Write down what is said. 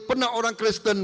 pernah orang kristen